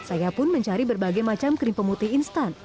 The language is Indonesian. saya pun mencari berbagai macam krim pemutih instan